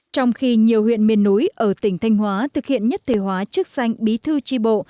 trong khi nhiều huyện miền núi ở tỉnh thanh hóa thực hiện nhất thể hóa chức danh bí thư tri bộ